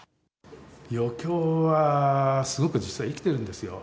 余興はすごく実は生きてるんですよ。